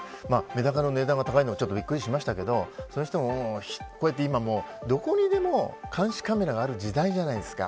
メダカの値段が高いのはびっくりしましたけどそれにしても今どこにでも監視カメラがある時代じゃないですか。